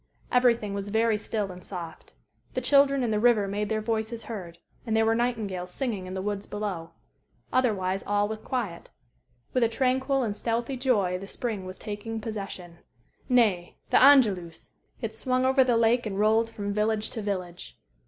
Everything was very still and soft. The children and the river made their voices heard; and there were nightingales singing in the woods below. Otherwise all was quiet. With a tranquil and stealthy joy the spring was taking possession. Nay the Angelus! It swung over the lake and rolled from village to village....